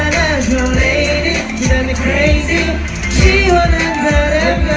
เยี่ยมมาก